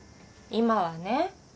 今はね。